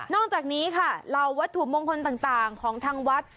อกจากนี้ค่ะเหล่าวัตถุมงคลต่างของทางวัด